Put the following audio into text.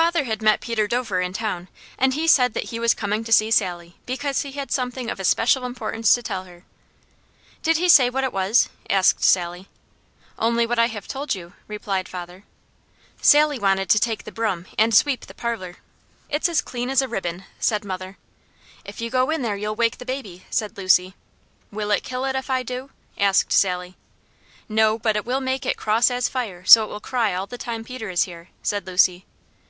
Father had met Peter Dover in town, and he had said that he was coming to see Sally, because he had something of especial importance to tell her. "Did he say what it was?" asked Sally. "Only what I have told you," replied father. Sally wanted to take the broom and sweep the parlour. "It's clean as a ribbon," said mother. "If you go in there, you'll wake the baby," said Lucy. "Will it kill it if I do?" asked Sally. "No, but it will make it cross as fire, so it will cry all the time Peter is here," said Lucy.